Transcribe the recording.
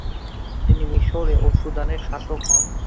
তিনি মিশর ও সুদানের শাসক হন।